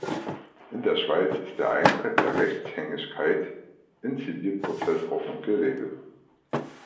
In der Schweiz ist der Eintritt der Rechtshängigkeit in Zivilprozessordnung geregelt.